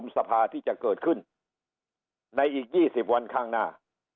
สภาที่จะเกิดขึ้นในอีก๒๐วันข้างหน้า